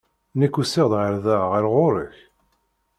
Nekk usiɣ-d ɣer da, ɣer ɣur-k.